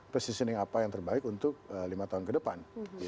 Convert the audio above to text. positioning apa yang terbaik untuk lima tahun ke depan